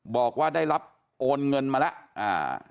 บอกว่าได้รับโอนเงินมาแล้วอ่า